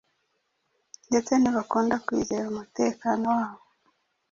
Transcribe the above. ndetse ntibakunda kwizera umutekano wabo